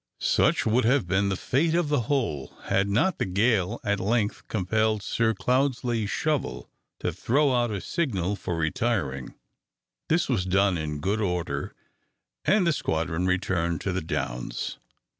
Such would have been the fate of the whole, had not the gale at length compelled Sir Cloudesley Shovel to throw out a signal for retiring. This was done in good order, and the squadron returned to the Downs.